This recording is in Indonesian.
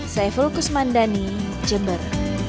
saya fulkus mandani jember